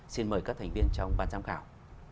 xin mời các thành viên trong ban giám khảo